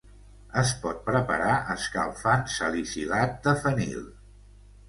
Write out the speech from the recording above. Es pot preparar escalfant salicilat de fenil.